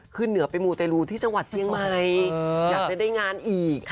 เหนือไปมูเตรลูที่จังหวัดเชียงใหม่อยากจะได้งานอีก